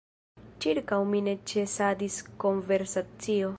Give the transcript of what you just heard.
Ĉirkaŭ mi ne ĉesadis konversacio.